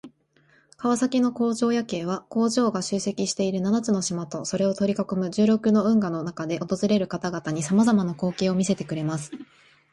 川崎の工場夜景は、工場が集積している七つの島とそれを取り囲む十六の運河の中で訪れる方々に様々な光景を見せてくれます。